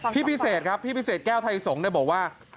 พี่พิเศษครับพี่พิเศษแก้วไทยสงฆ์บอกว่า